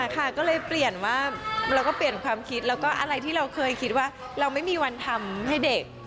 ค่ะก็เลยเปลี่ยนว่าเราก็เปลี่ยนความคิดแล้วก็อะไรที่เราเคยคิดว่าเราไม่มีวันทำให้เด็ก